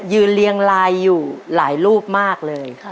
เรียงลายอยู่หลายรูปมากเลย